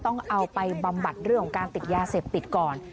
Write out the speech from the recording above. ต้องเอาไปบำบัดเรื่องของการติดยาเสพติดก่อน